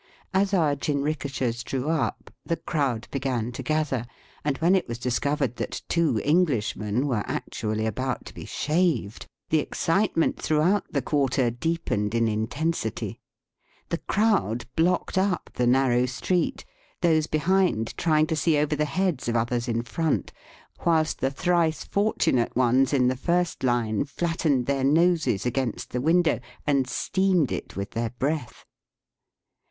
As our jinrikishas drew up the crowd began to gather, and when it was dis covered that two Englishmen were actually Digitized by VjOOQIC THE CAPITAL OF THE MIKADOS. 69 about to be shaved, the excitement through out the quarter deepened in intensity. The crowd blocked up the narrow street, those behind trying to see over the heads of others in front, whilst the thrice fortunate ones in the first line flattened their noses against the window and steamed it with their breath.